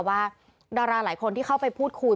ว่าดาราหลายคนที่เข้าไปพูดคุย